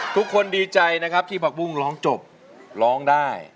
ทุกคนดีใจนะครับที่ผักบุ้งร้องจบร้องได้